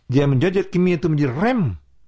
dia menjojek kimia itu menjadi rem